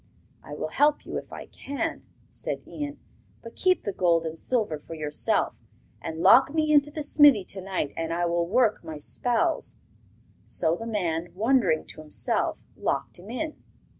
'I will help you if I can,' said Ian; 'but keep the gold and silver for yourself, and lock me into the smithy to night, and I will work my spells.' So the man, wondering to himself, locked him in.